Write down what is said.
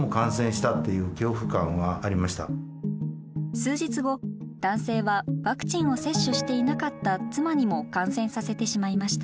数日後男性はワクチンを接種していなかった妻にも感染させてしまいました。